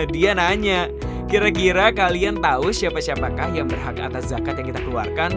dia nanya kira kira kalian tahu siapa siapakah yang berhak atas zakat yang kita keluarkan